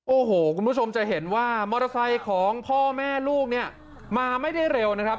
โอ้โหคุณผู้ชมจะเห็นว่ามอเตอร์ไซค์ของพ่อแม่ลูกเนี่ยมาไม่ได้เร็วนะครับ